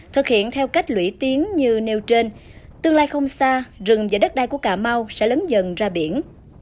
thực hiện theo cách lũy tiến như nêu trên tương lai không xa rừng và đất đai của cà mau sẽ lớn dần ra biển